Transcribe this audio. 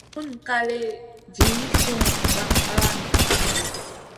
Buŋ kaley jih su dang ala nen kaʼa.